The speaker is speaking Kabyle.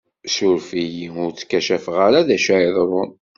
Suref-iyi, ur tkacafeɣ ara d acu ara yeḍṛun!